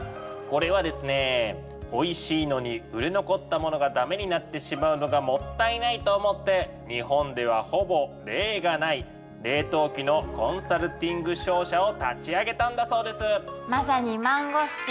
これはですねおいしいのに売れ残ったものがダメになってしまうのがもったいないと思って日本ではほぼ例がない「冷凍機のコンサルティング商社」を立ち上げたんだそうです。